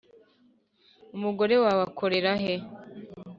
umugore wawe akorera he?